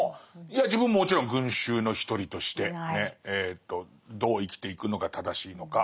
いや自分ももちろん群衆の一人としてねどう生きていくのが正しいのか。